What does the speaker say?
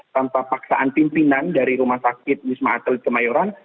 tanpa paksaan pimpinan dari rumah sakit wisma atlet kemayoran